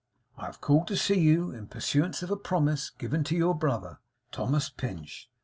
'I have called to see you, in pursuance of a promise given to your brother, Thomas Pinch.